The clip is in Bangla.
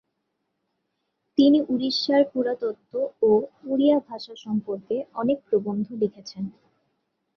তিনি উরিষ্যার পুরাতত্ব ও উড়িয়া ভাষা সম্পর্কে অনেক প্রবন্ধ লিখেছিলেন।